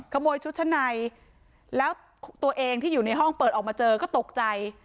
ขโมยชุดชั้นในแล้วตัวเองที่อยู่ในห้องเปิดออกมาเจอก็ตกใจ